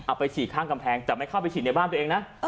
ไปฉีดข้างกำแพงแต่ไม่เข้าไปฉีดในบ้านตัวเองนะ